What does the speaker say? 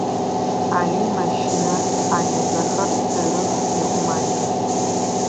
Алый мэщынэ, хьалыжъохэр стырых, – elo Марыет.